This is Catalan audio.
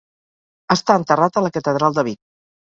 Està enterrat a la catedral de Vic.